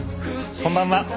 こんばんは。